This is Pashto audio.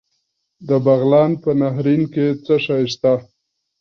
د بغلان په نهرین کې څه شی شته؟